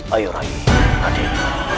ayo rai adik